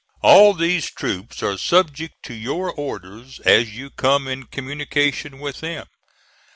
All these troops are subject to your orders as you come in communication with them.